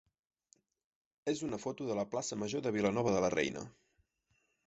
és una foto de la plaça major de Vilanova de la Reina.